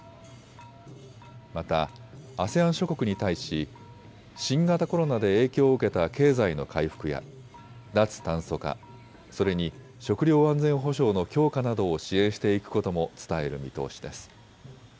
またＡＳＥＡＮ諸国に対し新型コロナで影響を受けた経済の回復や脱炭素化、それに食料安全保障の強化などを支援していくことも伝える見通しです。